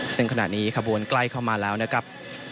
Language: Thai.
ซึ่งขณะนี้ขบวนใกล้เข้ามาแล้วนะครับ